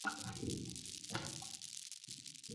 昙摩难提人。